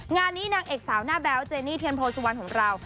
งานนี้นางเอกสาวหน้าแบ๊วเจนี่เทียนโพสุวรรณของเรา